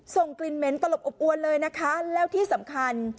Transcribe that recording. ส่งกลิ่นเหม็นตลบอบอวนเลยนะคะแล้วที่สำคัญ